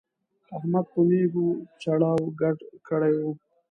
احمد په مېږو چړاو ګډ کړی وو.